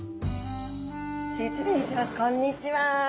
こんにちは。